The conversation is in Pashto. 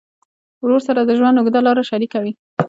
ورور سره د ژوند اوږده لار شریکه وي.